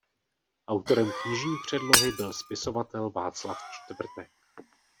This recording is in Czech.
Autorem knižní předlohy byl spisovatel Václav Čtvrtek.